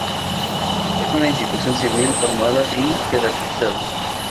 Es una institución civil, armada y jerarquizada.